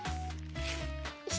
よし。